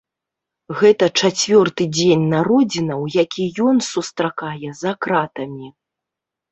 Гэта чацвёрты дзень народзінаў, які ён сустракае за кратамі.